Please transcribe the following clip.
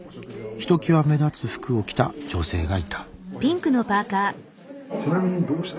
ひときわ目立つ服を着た女性がいた。